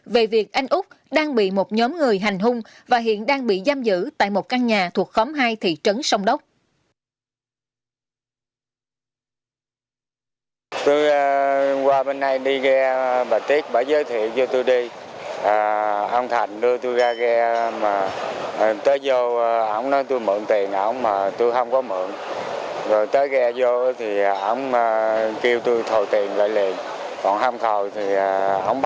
về việc anh úc đang bị một nhóm người hành hung và hiện đang bị giam giữ tại một căn nhà thuộc khóm hai thị trấn sông đốc huyện trần văn thời tỉnh cà mau với cơ quan công an